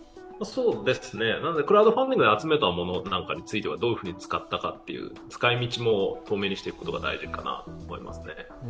クラウドファンディングで集めたものなんかについてはどういうふうに使ったか、使い道も透明にしていくことが大事かなと思いますね。